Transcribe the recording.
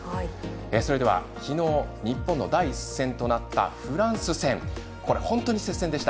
それでは、きのう日本の第１戦となったフランス戦本当に接戦でした。